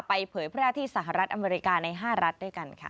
ไปเผยพระอาทิตย์สหรัฐอเมริกาในห้ารัฐด้วยกันค่ะ